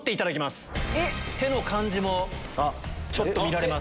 手の感じもちょっと見られます。